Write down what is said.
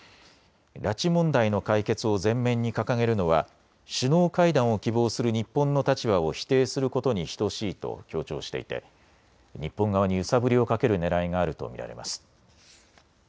拉致問題の解決を前面に掲げるのは首脳会談を希望する日本の立場を否定することに等しいと強調していて日本側に揺さぶりをかけるねらいがあると見られます。